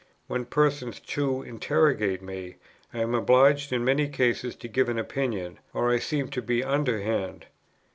When persons too interrogate me, I am obliged in many cases to give an opinion, or I seem to be underhand.